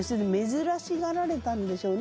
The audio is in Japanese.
珍しがられたんでしょうね。